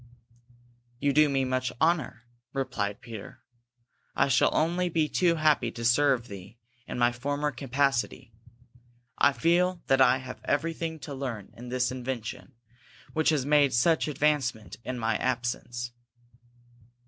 "You do me too much honor," replied Peter. "I shall only be too happy to serve thee in my former capacity. I feel that I have everything to learn in this invention, which has made such advancement in my absence."